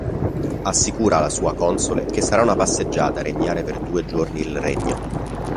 Assicura la sua console che sarà una passeggiata regnare per due giorni il regno.